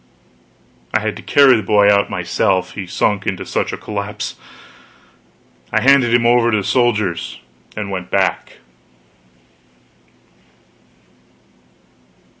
I had to carry the boy out myself, he sunk into such a collapse. I handed him over to the soldiers, and went back.